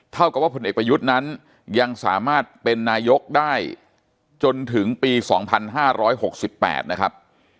เท่ากับว่าผลเอกประยุทธ์นั้นยังสามารถเป็นนายกได้จนถึงปี๒๕๖๘นะครับ